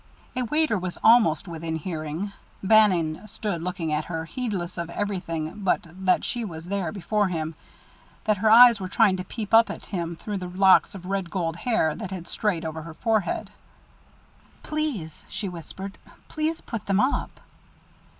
A waiter was almost within hearing. Bannon stood looking at her, heedless of everything but that she was there before him, that her eyes were trying to peep up at him through the locks of red gold hair that had strayed over her forehead. "Please" she whispered "please put them up."